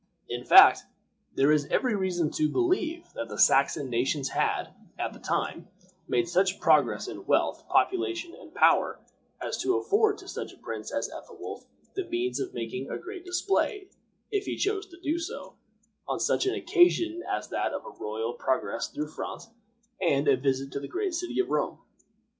In fact, there is every reason to believe that the Saxon nations had, at that time, made such progress in wealth, population, and power as to afford to such a prince as Ethelwolf the means of making a great display, if he chose to do so, on such an occasion as that of a royal progress through France and a visit to the great city of Rome.